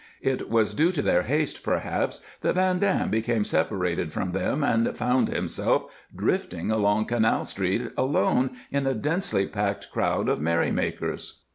It was due to their haste, perhaps, that Van Dam became separated from them and found himself drifting along Canal Street alone in a densely packed crowd of merrymakers.